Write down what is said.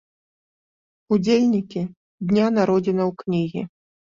Удзельнікі дня народзінаў кнігі.